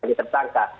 jadi dia tersangka